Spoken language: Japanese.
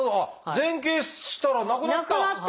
前傾したらなくなった！